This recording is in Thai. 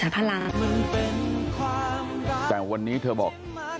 แต่วันนี้เธอบอก